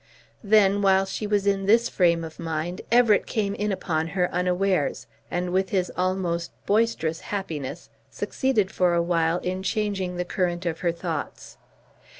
Then, while she was in this frame of mind, Everett came in upon her unawares, and with his almost boisterous happiness succeeded for a while in changing the current of her thoughts.